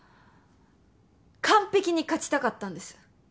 完璧に勝ちたかったんです。